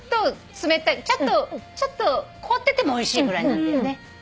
ちょっと凍っててもおいしいぐらいなんだよね。